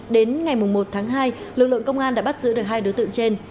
đến ngày một tháng hai lực lượng công an đã bắt giữ được hai đối tượng trên